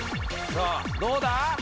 さあどうだ